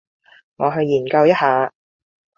我去研究一下